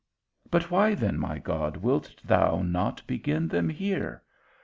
But why then, my God, wilt thou not begin them here?